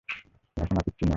ও এখন আর পিচ্চি নয়!